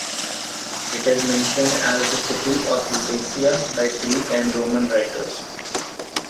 It is mentioned as the city of Lycia by Greek and Roman writers.